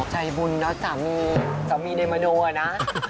ใจบุญแล้วจ่ะจะมีในมนุษย์นะ